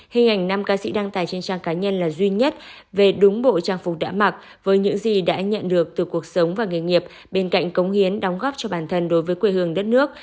hình ảnh năm ca sĩ đăng tải trên trang cá nhân là duy nhất về đúng bộ trang phục đã mặc với những gì đã nhận được từ cuộc sống và nghề nghiệp bên cạnh cống hiến đóng góp cho bản thân đối với quê hương đất nước